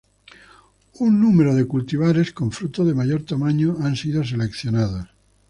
Un número de cultivares con fruto de mayor tamaño han sido seleccionados.